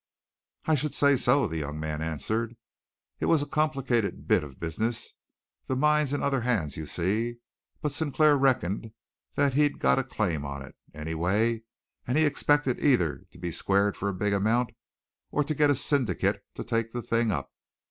"I should say so," the young man answered. "It was a complicated bit of business the mine's in other hands, you see but Sinclair reckoned that he'd got a claim to it, anyway, and he expected either to be squared for a big amount, or to get a syndicate to take the thing up.